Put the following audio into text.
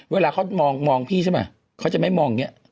เวลาเขามองพี่ใช่ไหมเขาจะไม่มองอย่างนี้